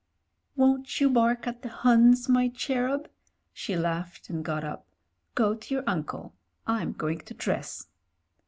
"Won't you bark at the Huns, my cherub?" She laughed and got up. "Go to your uncle — Fm going to dress."